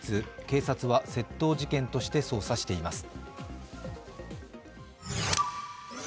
警察は窃盗事件として捜査しています。